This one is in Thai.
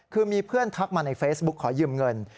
คือมีเพื่อนทักมาในเฟซบุ๊กขอยืมเงิน